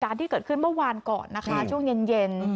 ที่เกิดขึ้นเมื่อวานก่อนนะคะช่วงเย็น